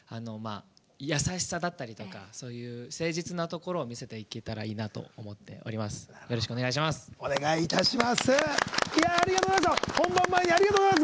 優しさだったりとかそういう、誠実なところを見せていけたらいいなと思っております。